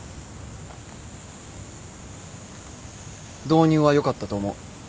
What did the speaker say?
導入は良かったと思う。